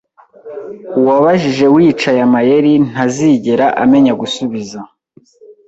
Uwabajije wicaye amayeri Ntazigera amenya gusubiza